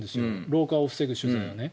老化を防ぐ取材ね。